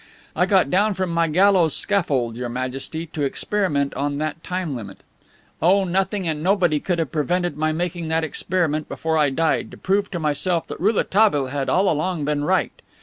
"I got down from my gallows scaffold, Your Majesty, to experiment on that time limit. Oh, nothing and nobody could have prevented my making that experiment before I died, to prove to myself that Rouletabille had all along been right.